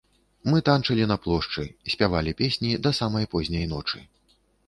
Мы танчылі на плошчы, спявалі песні да самай позняй ночы.